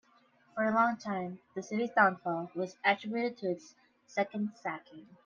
For a long time, the city's downfall was attributed to its second sacking.